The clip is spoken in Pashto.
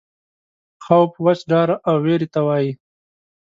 خوف وچ ډار او وېرې ته وایي.